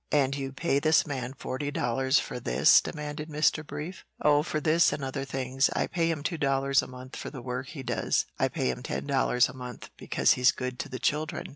"And you pay this man forty dollars for this?" demanded Mr. Brief. "Oh, for this and other things. I pay him two dollars a month for the work he does. I pay him ten dollars a month because he's good to the children.